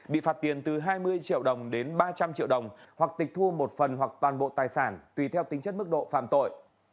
bị phạt tiền từ hai mươi triệu đồng đến ba trăm linh triệu đồng hoặc tịch thu một phần hoặc toàn bộ tài sản tùy theo tính chất mức độ phạm tội